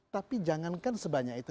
tapi jangankan sebanyak itu